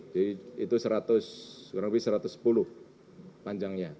jadi itu rp satu ratus sepuluh panjangnya